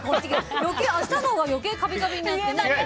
明日のほうが余計カビカビになるじゃん。